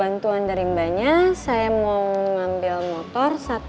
nih ada telpon